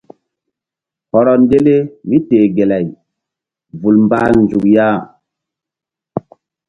Hɔrɔ ndele míteh gelay vul mbah nzuk ya.